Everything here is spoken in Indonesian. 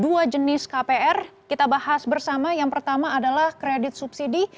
dua jenis kpr kita bahas bersama yang pertama adalah kredit subsidi